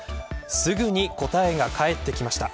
すぐに答えが返ってきました。